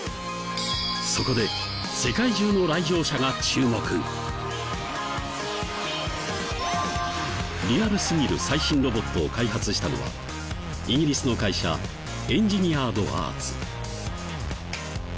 そこでリアルすぎる最新ロボットを開発したのはイギリスの会社エンジニアード・アーツ。